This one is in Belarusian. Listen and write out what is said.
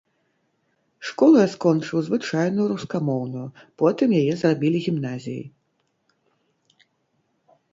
Школу я скончыў звычайную рускамоўную, потым яе зрабілі гімназіяй.